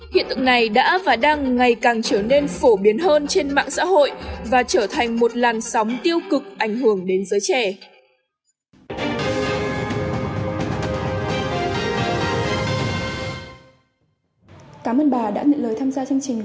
hiện tượng này đã và đang ngày càng trở nên phổ biến hơn trên mạng xã hội và trở thành một làn sóng tiêu cực ảnh hưởng đến giới trẻ